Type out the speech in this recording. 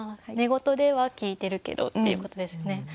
寝言では聞いてるけどっていうことですよね。